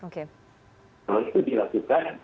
kalau itu dilakukan